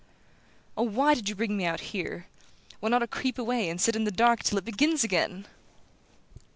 "Oh, why did you bring me out here? One ought to creep away and sit in the dark till it begins again!"